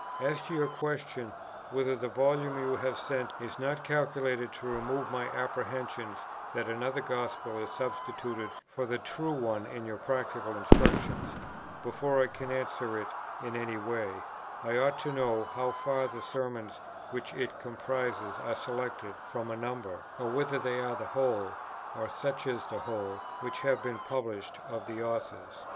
"As to your question, whether the Volume you have sent is not calculated to remove my apprehensions that another gospel is substituted for the true one in your practical instructions, before I can answer it in any way, I ought to know how far the Sermons which it comprises are selected from a number, or whether they are the whole, or such as the whole, which have been published of the author's.